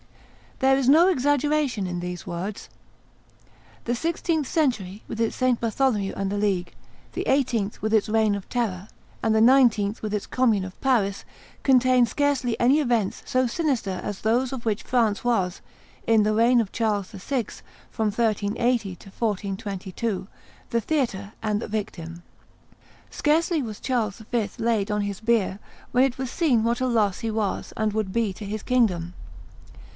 There is no exaggeration in these words; the sixteenth century with its St. Bartholomew and The League, the eighteenth with its reign of terror, and the nineteenth with its Commune of Paris, contain scarcely any events so sinister as those of which France was, in the reign of Charles VI., from 1380 to 1422, the theatre and the victim. Scarcely was Charles V. laid on his bier when it was seen what a loss he was and would be to his kingdom.